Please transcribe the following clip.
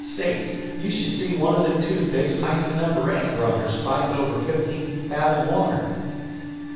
Sakes! You should see one o' them toothpicks histin' up her anchor on her spike outer fifteen fathom water."